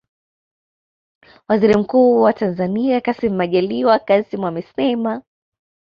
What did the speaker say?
Waziri Mkuu wa Tanzania Kassim Majaliwa Kassim amesema